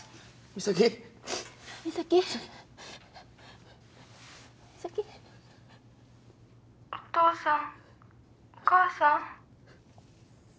お父さんお母さん？